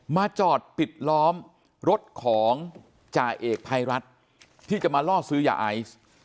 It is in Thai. มาจอดปิดล้อมรถของจ่าเอกภัยรัฐที่จะมาล่อซื้อยาไอซ์